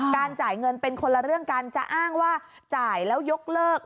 จ่ายเงินเป็นคนละเรื่องกันจะอ้างว่าจ่ายแล้วยกเลิก